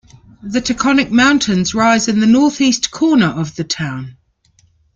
The Taconic Mountains rise in the northeast corner of the town.